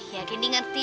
ya kendi ngerti